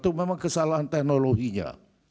itu memang kesalahan teknologinya